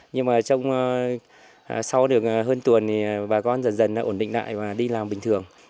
nhưng mà trong sau được hơn tuần thì bà con dần dần ổn định lại và đi làm bình thường